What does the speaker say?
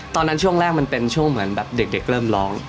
ช่วงแรกมันเป็นช่วงเหมือนแบบเด็กเริ่มร้อง